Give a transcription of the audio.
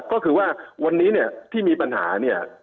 ก็คือว่าวันนี้เนี่ยที่มีปัญหาเนี่ย